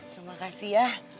terima kasih ya